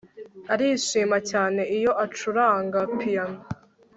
Arishima cyane iyo acuranga piyano